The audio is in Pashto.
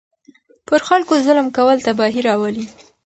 پر خلکو ظلم کول تباهي راولي.